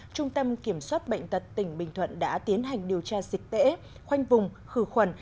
trung tâm kiểm soát bệnh tật tỉnh bình thuận đã tiến hành điều tra dịch tễ khoanh vùng khử khuẩn